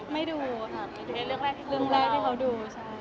ไม่ดูเรื่องแรกที่เขาดูใช่